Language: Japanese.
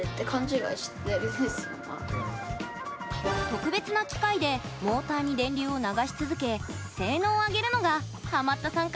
特別な機械でモーターに電流を流し続け性能を上げるのがハマったさん